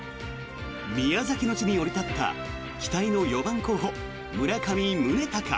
宮崎の地に降り立った期待の４番候補、村上宗隆。